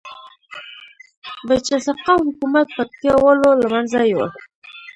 بچه سقاو حکومت پکتيا والو لمنځه یوړ